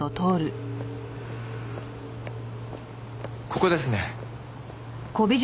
ここですね。